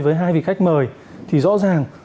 với hai vị khách mời thì rõ ràng